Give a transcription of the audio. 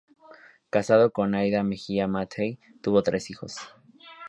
Casado con Aida Mejia Mattei, tuvo tres hijos.